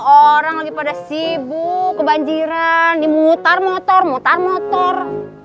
orang lagi pada sibuk kebanjiran dimutar motor mutar motor